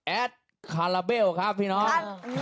แอดคาราเบลซ์ครับพี่น้อง